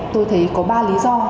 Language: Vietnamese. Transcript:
tôi thấy có ba lý do